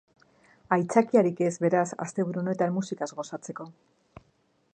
Aitzakiarik ez, beraz, asteburu honetan musikaz gozatzeko!